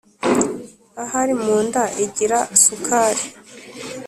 Ahari mu nda igira sukari!